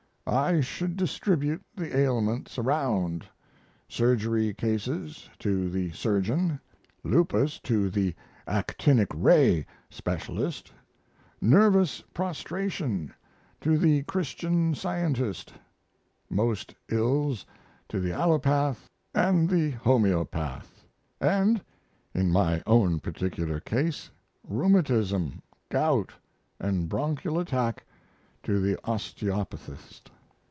I should distribute the ailments around: surgery cases to the surgeon; lupus to the actinic ray specialist; nervous prostration to the Christian Scientist; most ills to the allopath & the homeopath; & (in my own particular case) rheumatism, gout, & bronchial attack to the osteopathist.